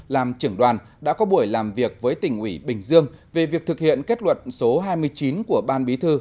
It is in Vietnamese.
làm trưởng đoàn đã có buổi làm việc với tỉnh ủy bình dương về việc thực hiện kết luận số hai mươi chín của ban bí thư